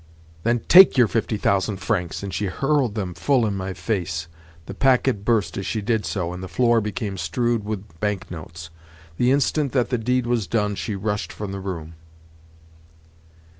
"Then take your fifty thousand francs!" and she hurled them full in my face. The packet burst as she did so, and the floor became strewed with bank notes. The instant that the deed was done she rushed from the room.